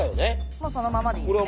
もうそのままでいいですね。